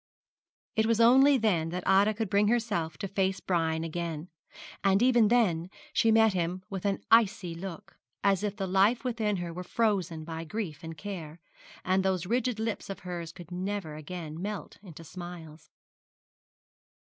It was only then that Ida could bring herself to face Brian again, and even then she met him with an icy look, as if the life within her were frozen by grief and care, and those rigid lips of hers could never again melt into smiles.